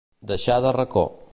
Deixar de racó.